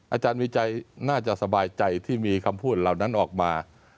อาจารย์วิจัยน่าจะสบายใจที่มีคำพูดเหล่านั้นออกมา